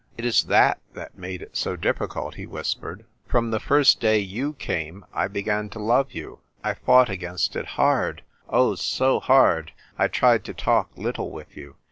" It is that that made it so difficult," he whispered. "From the first day you came I began to love you. I fought against it hard, oh ! so hard ; I tried to talk little with you.